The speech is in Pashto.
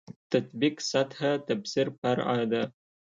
تطبیق سطح تفسیر فرع ده.